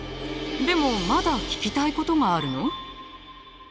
でもまだ聞きたいことがあるの？